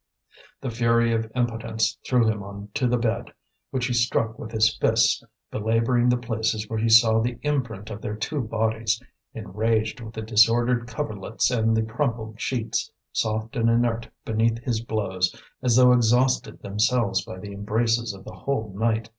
The fury of impotence threw him on to the bed, which he struck with his fists, belabouring the places where he saw the imprint of their two bodies, enraged with the disordered coverlets and the crumpled sheets, soft and inert beneath his blows, as though exhausted themselves by the embraces of the whole night.